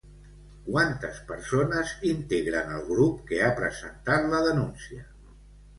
Quantes persones integren el grup que ha presentat la denúncia?